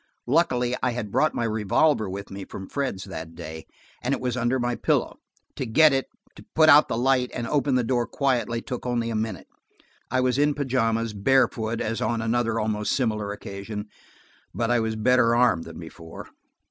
Luckily, I had brought my revolver with me from Fred's that day, and it was under my pillow; to get it, put out the light and open the door quietly, took only a minute. I was in pajamas, barefoot, as on another almost similar occasion, but I was better armed than before.